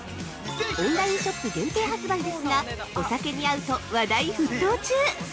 オンラインショップ限定発売ですが、お酒に合うと話題沸騰中！